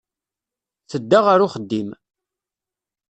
Tedda ɣer uxeddim.